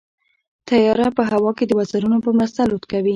طیاره په هوا کې د وزرونو په مرسته الوت کوي.